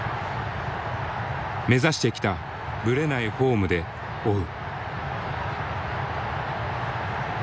目指してきたブレないフォームで追う。